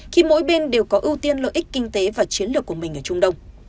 khi mỗi bên đều có ưu tiên lợi ích kinh tế và chiến lược của mình ở trung đông